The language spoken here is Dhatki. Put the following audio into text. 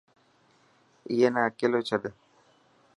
ائي نا اڪيلو ڇڏ.